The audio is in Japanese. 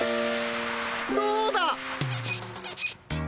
そうだ！